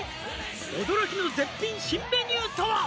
「驚きの絶品新メニューとは？」